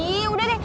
iiiih udah deh